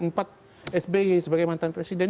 empat sby sebagai mantan presiden